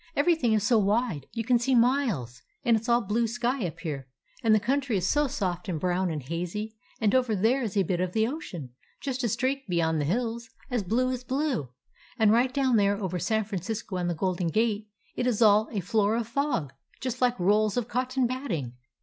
Everything is so wide : you can see miles ; and it 's all blue sky up here, and the country is so soft and brown and hazy, and over there is a bit of the ocean — just a streak beyond the hills — as blue as blue. And right down there over San Francisco and the Golden Gate it is all a floor of fog, just like rolls* of cotton batting.